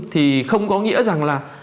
thì không có nghĩa rằng là